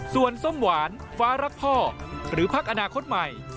ส่วนส้มหวานฟ้ารักพ่อหรือพักอนาคตใหม่